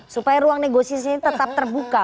supaya ruang negosiasinya tetap terbuka